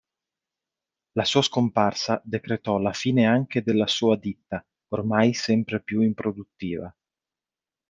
La sua scomparsa decretò la fine anche della sua ditta, ormai sempre più improduttiva.